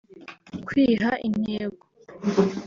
kwiha intego